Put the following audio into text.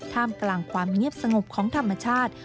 กลางความเงียบสงบของธรรมชาติ